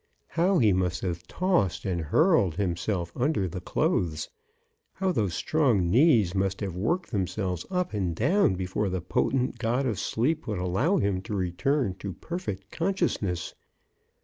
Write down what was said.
How he must have tossed and hurled himself under the clothes ! how those strong knees must have worked themselves up and down before the potent god of sleep would allow him to return to perfect consciousness